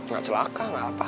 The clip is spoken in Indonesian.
nggak celaka gak apa apa